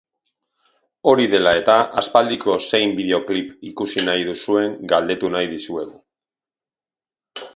Hori dela eta, aspaldiko zein bideoklip ikusi nahi duzuen galdetu nahi dizuegu.